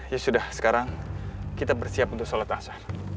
ya sudah sekarang kita bersiap untuk sholat asar